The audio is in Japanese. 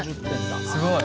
すごい。